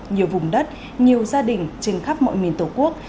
nhiều vùng đất nhiều gia đình trên khắp mọi miền tổ quốc